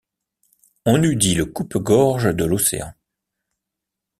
On eût dit le coupe-gorge de l’océan.